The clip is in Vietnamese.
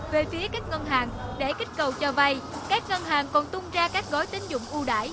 về phía các ngân hàng để kích cầu cho vay các ngân hàng còn tung ra các gói tính dụng ưu đải